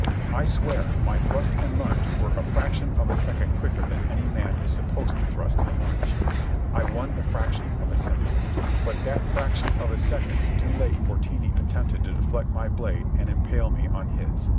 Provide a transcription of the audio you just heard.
I swear my thrust and lunge were a fraction of a second quicker than any man is supposed to thrust and lunge. I won the fraction of a second. By that fraction of a second too late Fortini attempted to deflect my blade and impale me on his.